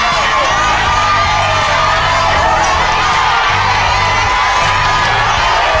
๒ถ้วย